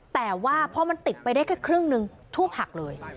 แต่ว่าพอมันติดไปได้แค่ครึ่งหนึ่งทูบหักเลย